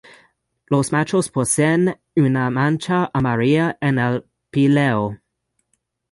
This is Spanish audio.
Los machos poseen una mancha amarilla en el píleo.